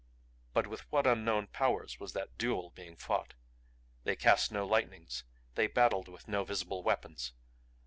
But with what unknown powers was that duel being fought? They cast no lightnings, they battled with no visible weapons.